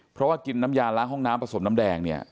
เพราะว่ากินน้ำยาล้างห้องน้ำผสมน้ำแดงเนี่ย